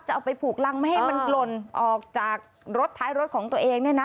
เอาไปผูกรังไม่ให้มันหล่นออกจากรถท้ายรถของตัวเองเนี่ยนะ